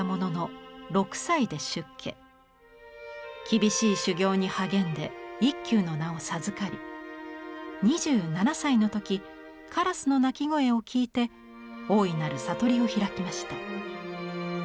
厳しい修行に励んで一休の名を授かり２７歳の時カラスの鳴き声を聞いて大いなる悟りを開きました。